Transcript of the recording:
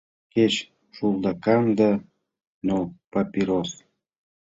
Кеч шулдакан да, но папирос!